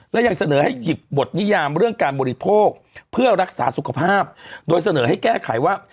และยังเสนอให้หยิบบทนิยามเรื่องการบริโภคเพื่อรักษาสุขภาพโดยเสนอให้แก้ไขว่า